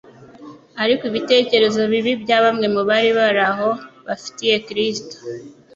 Ariko ibitekerezo bibi bya bamwe mu bari bari aho bari bafitiye Kristo,